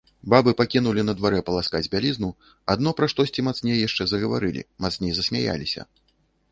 Бабы пакінулі на дварэ паласкаць бялізну, адно пра штосьці мацней яшчэ загаварылі, мацней засмяяліся.